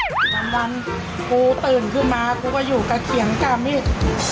วันกูตื่นขึ้นมากูก็อยู่กับเขียงกามีด